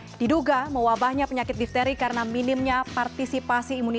dan diduga mewabahnya penyakit diphteri karena minimnya partisipasi